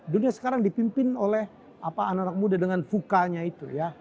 dunia sekarang dipimpin oleh anak anak muda dengan fukanya itu ya